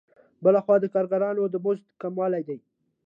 بل خوا د کارګرانو د مزد کموالی دی